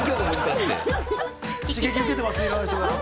刺激受けてますね。